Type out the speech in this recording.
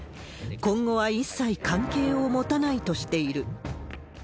今後は一切関係を持たないとしている。